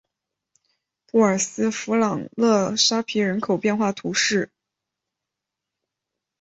布尔斯弗朗勒沙皮人口变化图示